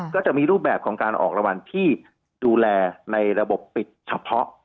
ก็จะมีรูปแบบของการออกรางวัลที่ดูแลในระบบปิดเฉพาะ